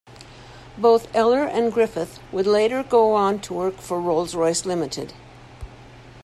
Both Ellor and Griffith would later go on to work for Rolls-Royce Limited.